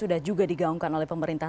sudah juga digaungkan oleh pemerintah